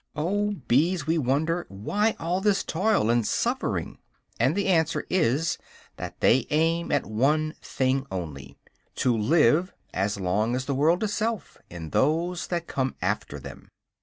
Oh bees, we wonder, why all this toil and suffering? And the answer is that they aim at one thing only, to live, as long as the world itself, in those that come after them.